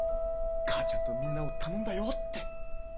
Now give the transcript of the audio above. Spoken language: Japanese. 母ちゃんとみんなを頼んだよって。